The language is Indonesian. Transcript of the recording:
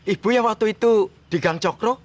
ibu yang waktu itu di gang cokro